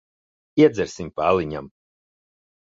Iedzersim pa aliņam.